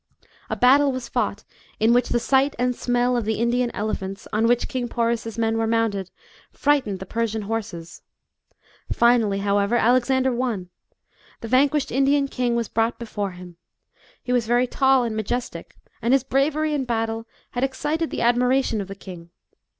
A battle was fought, in which the sight and smell of the Indian elephants, on which King Porus's men were mounted, frightened the Persian horses. Finally, however, Alexander won. The vanquished Indian king was brought before him ; he was very tall and majestic, and his bravery in battle had excited the admiration of the king.